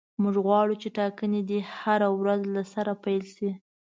موږ غواړو چې ټاکنې دې هره ورځ له سره پیل شي.